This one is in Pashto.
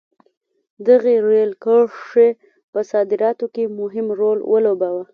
دغې رېل کرښې په صادراتو کې مهم رول ولوباوه.